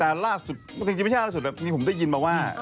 แต่ล่าสุดจริงไม่ใช่ล่าสุดมีผมได้ยินมาว่า